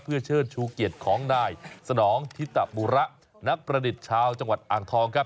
เพื่อเชิดชูเกียรติของนายสนองทิตบุระนักประดิษฐ์ชาวจังหวัดอ่างทองครับ